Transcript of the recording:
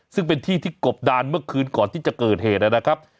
ซึ่งเป็นที่ที่กบดานเมื่อคืนก่อนที่จะเกิดเหตุนะครับ